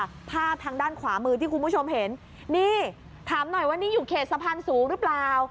ภาพทางด้านขวามือที่คุณผู้ชมเห็นนี่ถามหน่อยว่านี่อยู่เขตสะพานสูงหรือเปล่า